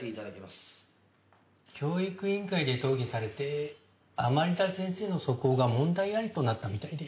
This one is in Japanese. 教育委員会で討議されて甘利田先生の素行が問題ありとなったみたいで。